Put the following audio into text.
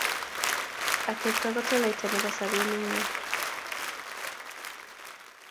Atepto kotoloita nebo sopet nemie